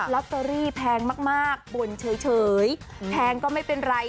ลอตเตอรี่แพงมากบ่นเฉยแพงก็ไม่เป็นไร